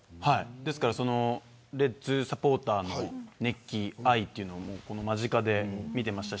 ですから、レッズのサポーターの熱気や愛も間近で見てました。